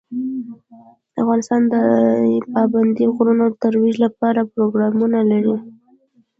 افغانستان د پابندي غرونو د ترویج لپاره پروګرامونه لري.